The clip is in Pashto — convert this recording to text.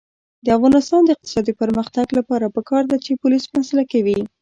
د افغانستان د اقتصادي پرمختګ لپاره پکار ده چې پولیس مسلکي وي.